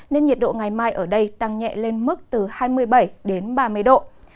nên nhiệt độ ngày mai ở đây tăng nhẹ lên mức từ hai mươi bảy đến ba mươi độ